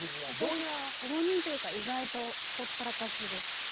私は放任というか意外とほったらかしです。